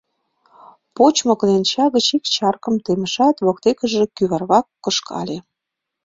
Почмо кленча гыч ик чаркам темышат, воктекыже кӱварвак кышкале.